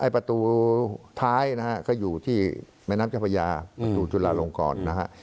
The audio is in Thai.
ประตูท้ายนะฮะก็อยู่ที่แม่น้ำเจ้าพระยาประตูจุฬาลงกรนะฮะ